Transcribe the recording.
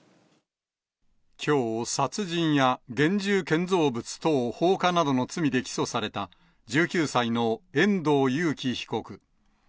きょう、殺人や現住建造物等放火などの罪で起訴された、１９歳の遠藤裕喜被告。